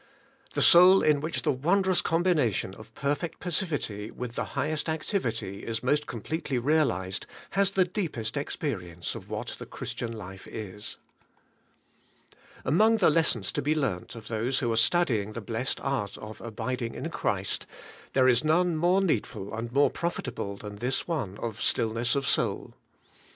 The soul in which the won drous combination of perfect passivity with the high est activity is most completely realized, has the deep est experience of what the Christian life is. Among the lessons to be learnt of those who are studying the blessed art of abiding in Christ, there is none more needful and more profitable than this one of stillness of soul.